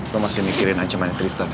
lo masih mikirin aja sama tristan ya